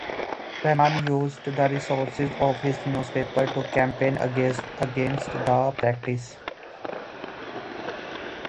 Rahman used the resources of his newspaper to campaign against the practice.